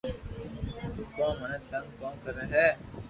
تو ڪو مني تنگ ڪو ڪري ھي